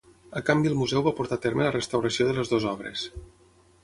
A canvi el museu va portar a terme la restauració de les dues obres.